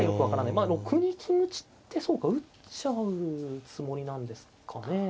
まあ６二金打ちってそうか打っちゃうつもりなんですかね。